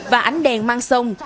và ánh đèn mang sông